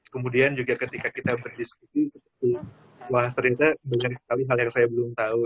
kemudian juga ketika kita berdiskusi wah ternyata banyak sekali hal yang saya belum tahu